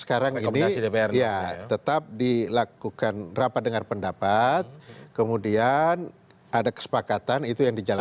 sekarang ini ya tetap dilakukan rapat dengar pendapat kemudian ada kesepakatan itu yang dijalankan